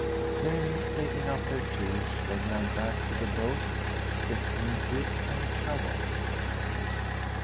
Then, taking up their tools, they glide back to the boat, step into it, and shove off.